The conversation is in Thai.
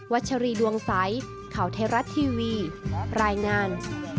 ชัชรีดวงใสข่าวไทยรัฐทีวีรายงาน